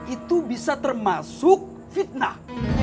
itu bisa termasuk fitnah